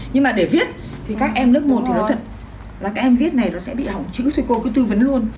nhưng mà để viết thì các em lớp một thì nó thật là các em viết này nó sẽ bị hỏng chữ thì cô cứ tư vấn luôn